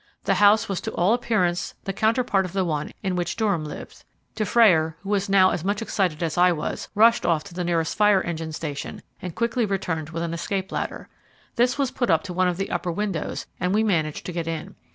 The house was to all appearance the counterpart of the one in which Durham lived. Dufrayer, who was now as much excited as I was, rushed off to the nearest fire engine station, and quickly returned with an escape ladder. This was put up to one of the upper windows and we managed to get in.